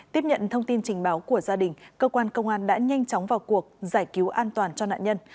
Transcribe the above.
tiếp nhận thông tin trình báo của gia đình cơ quan công an đã nhanh chóng vào cuộc giải cứu an toàn cho nạn nhân